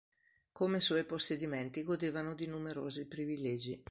Come suoi possedimenti, godevano di numerosi privilegi.